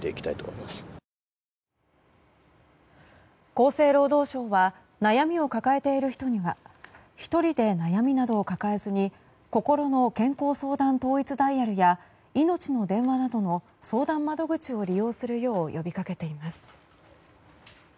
厚生労働省は悩みを抱えている人には１人で悩みなどを抱えずにこころの健康相談統一ダイヤルやいのちの電話などの相談窓口を利用するよう呼びかけています。